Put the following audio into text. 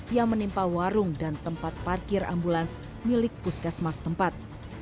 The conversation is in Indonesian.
yang menimpa warung dan tempat parkir ambulans milik puskesmas tempat